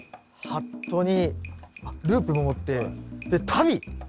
ハットにルーペも持って足袋！